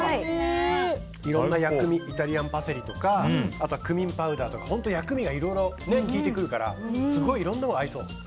いろんな薬味イタリアンパセリとかあとはクミンパウダーとか薬味がいろいろ効いてくるからいろんなのに合いそう。